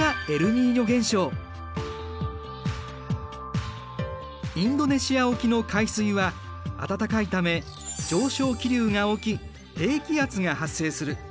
これがインドネシア沖の海水は温かいため上昇気流が起き低気圧が発生する。